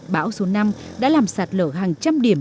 bão số năm đã làm sạt lở hàng trăm điểm